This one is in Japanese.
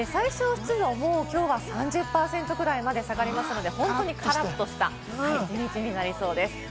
最小湿度もきょうは３０％ぐらいまで下がりますので、本当にカラっとした一日になりそうです。